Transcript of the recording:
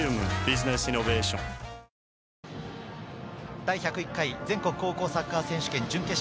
第１０１回全国高校サッカー選手権準決勝。